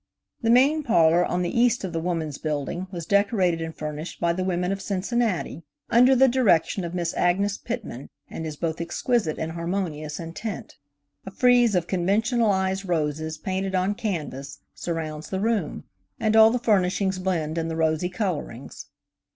The main parlor on the east of the Woman's Building was decorated and furnished by the women of Cincinnati, under the direction of Miss Agnes Pitman, and is both exquisite and harmonious in tint. A frieze of conventionalized roses painted on canvas surrounds the room, and all the furnishings blend in the rosy colorings.